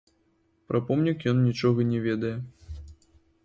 Пра помнік ён нічога не ведае.